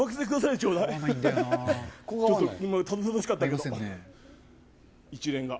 ちょっと、たどたどしかったけど、一連が。